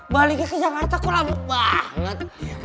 baliknya ke jakarta kok lampu banget